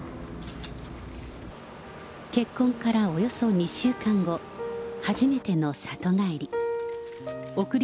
結婚からおよそ２週間後、初めての里帰り。